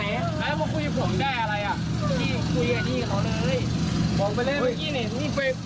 เน็ตของผม